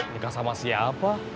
nikah sama siapa